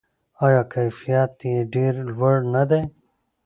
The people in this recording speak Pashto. آیا کیفیت یې ډیر لوړ نه دی؟